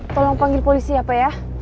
tolong panggil polisi ya pak ya